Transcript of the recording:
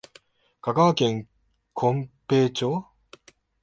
香川県琴平町